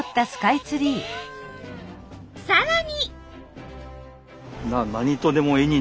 さらに。